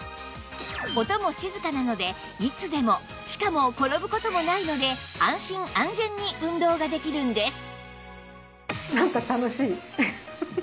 音も静かなのでいつでもしかも転ぶ事もないので安心・安全に運動ができるんです